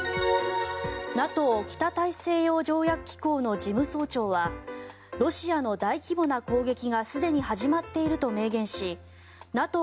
ＮＡＴＯ・北大西洋条約機構の事務総長はロシアの大規模な攻撃がすでに始まっていると明言しＮＡＴＯ